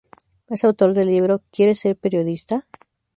Es autor del libro "¿Quieres ser periodista?